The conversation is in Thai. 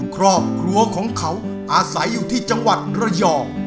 ครอบครัวของเขาอาศัยอยู่ที่จังหวัดระยอง